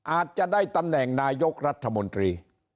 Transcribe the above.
อาจจะได้ตำแหน่งนายกรัฐมนตรี